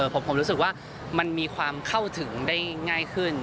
ผมรู้สึกว่ามันมีความเข้าถึงได้ง่ายขึ้น